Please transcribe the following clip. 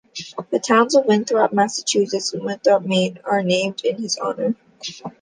The towns of Winthrop, Massachusetts and Winthrop, Maine are named in his honor.